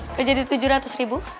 udah jadi tujuh ratus ribu